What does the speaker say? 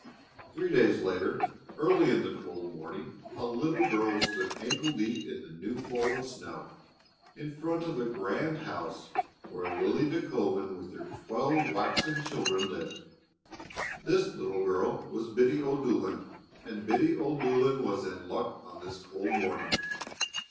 Three days later, early in the cold morning, a little girl stood ankle deep in the new fallen snow in front of the grand house where Lily De Koven with her twelve waxen children lived. This little girl was Biddy O'Dolan, and Biddy O'Dolan was in luck on this cold morning.